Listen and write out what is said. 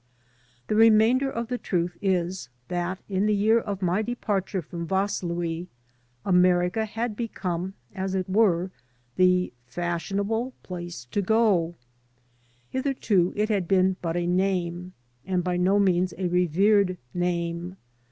The remainder of the truth is that in the year of my departure from Vaslui America had become, as it were, the fashionable place to go to. Hitherto it had been but a name, and by no means a revered name.